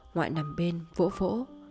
ngoại nằm bên vỗ vỗ